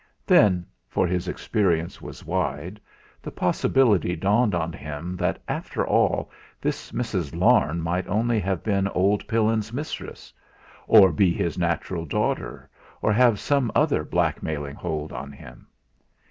Then for his experience was wide the possibility dawned on him, that after all, this Mrs. Larne might only have been old Pillin's mistress or be his natural daughter, or have some other blackmailing hold on him.